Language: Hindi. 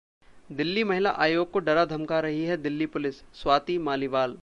दिल्ली महिला आयोग को डरा धमका रही है दिल्ली पुलिस: स्वाति मालीवाल